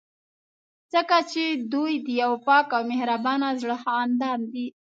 ځکه چې دوی د یو پاک او مهربانه زړه خاوندان دي.